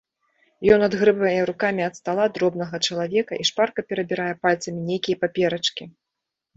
Ён адгрэбае рукамі ад стала дробнага чалавека і шпарка перабірае пальцамі нейкія паперачкі.